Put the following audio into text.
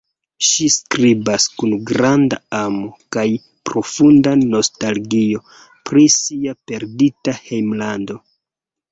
Ŝi skribas kun granda amo kaj profunda nostalgio pri sia perdita hejmlando.